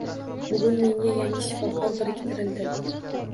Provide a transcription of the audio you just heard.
Bugun menga yangi shifokor biriktirildi